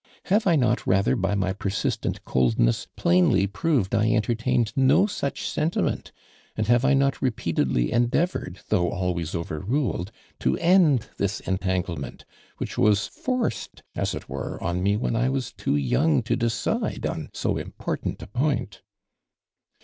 Have I not rather by my persistent coldness plainly proved I entertained no such sentiment, and have I not repeatedly endea vored, though always overruled, to end this entanglement, which was forced, as it were, on me, when I was too young to decide on so important a point."